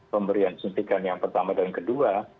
pemberian suntikan yang pertama dan kedua